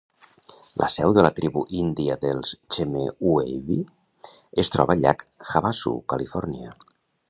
La seu de la tribu índia dels Chemehuevi es troba al llac Havasu, Califòrnia.